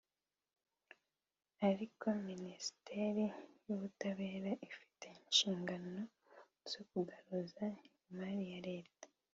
ariko Minisiteri y’Ubutabera ifite inshingano zo kugaruza imari ya leta